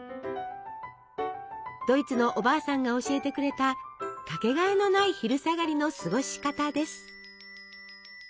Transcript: ドイツのおばあさんが教えてくれた掛けがえのない昼下がりの過ごし方です。